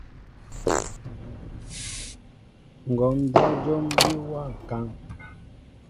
Ŋgǒm dyá jǒm bí wa ŋkán.